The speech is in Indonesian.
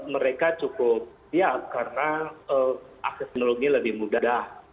mereka cukup siap karena akses teknologi lebih mudah